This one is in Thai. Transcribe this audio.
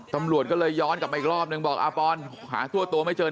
ตำรวจก็เลยย้อนกลับมาอีกรอบนึงบอกอาปอนหาตัวไม่เจอ